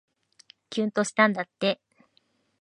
きゅんとしたんだって